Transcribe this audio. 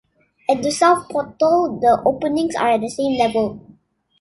At the South portal the openings are at the same level.